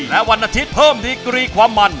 และวันอาทิตย์เพิ่มดีกรีความมัน